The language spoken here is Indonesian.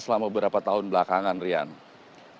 yang akan diperkuat oleh setiap pemain tersebut